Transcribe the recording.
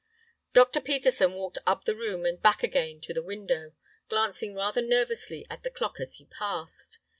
Dr. Peterson walked up the room and back again to the window, glancing rather nervously at the clock as he passed.